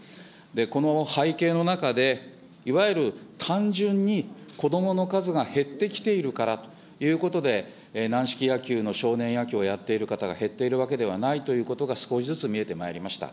この背景の中で、いわゆる単純に子どもの数が減ってきているからということで、軟式野球の少年野球をやっている方が減っているわけではないということが少しずつ見えてまいりました。